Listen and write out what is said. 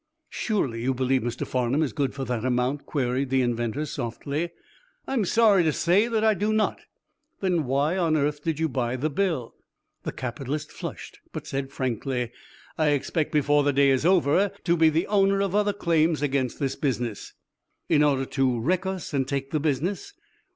"Surely you believe Mr. Farnum is good for that amount?" queried the inventor softly. "I'm sorry to say that I do not." "Then why on earth did you buy the bill?" The capitalist flushed, but said frankly: "I expect before the day is over to be the owner of other claims against this business." "In order to wreck us and take the business?"